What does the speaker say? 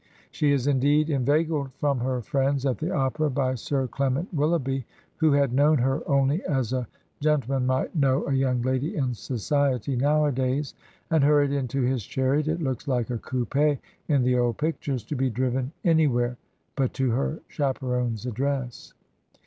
She is indeed inveigled from her friends at the opera by Sir Clement Willoughbyj who had known her only as a gen tleman might know a young lady in society nowadays, and hurried into his chariot (it looks like a coup6 in the old pictures), to be driven anywhere but to her chaperon's address.